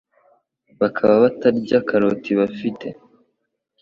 bakaba batarya karoti bafite